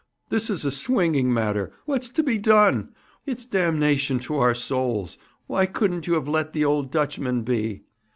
'This is a swinging matter. What's to be done? It's damnation to our souls. Why couldn't ye have let the old Dutchman be?'